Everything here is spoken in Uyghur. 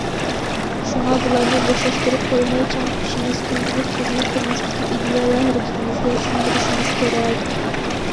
شۇڭا بۇلارنى بوشاشتۇرۇپ قويماي چىڭ تۇتۇشىمىز، كۈندىلىك خىزمەت، تۇرمۇشتىكى ئىدىيە ۋە ھەرىكىتىمىزگە سىڭدۈرۈشىمىز كېرەك.